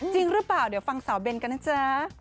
จริงหรือเปล่าเดี๋ยวฟังสาวเบนกันนะจ๊ะ